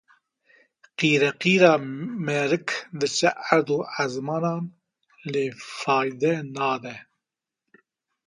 Qîreqîra merik diçe erd û ezmanan lê feyde nade.